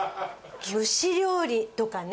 蒸し料理とかね